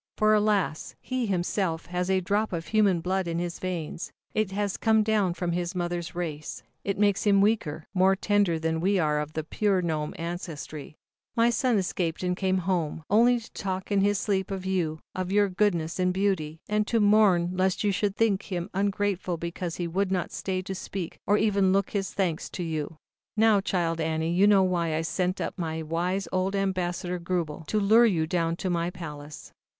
For, alas, he himself, has a drop of human blood in his veins, it has come down from his mother's race. It makes him weaker, more tender than are we of the pure Gnome ancestry. m"<rL nfl jffM/lli "My son escaped and came home, only to talk in his sleep of you, of your goodness and beauty, and to mourn lest you should think him ungrateful because he would not stay to speak, or even look his thanks to you. 142 ZAUBERLINDA, THE WISE WITCH. "Now, Child Annie, you know why I sent up my wise old ambassador, Grubel, to lure you down to my palace.